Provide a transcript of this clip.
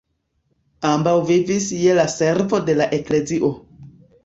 Ambaŭ vivis je la servo de la eklezio.